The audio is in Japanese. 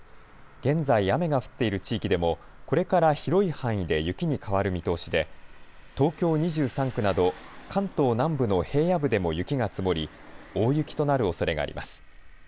現在雨が降っている地域でもこれから広い範囲で雪に変わる見通しで東京２３区など関東南部の平野部でも雪が積もり大雪となるおそれがあります。